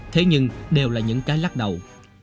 thế nhưng đều là những cái lắc đầu